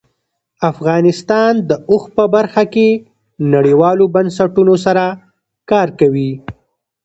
افغانستان د اوښ په برخه کې نړیوالو بنسټونو سره کار کوي.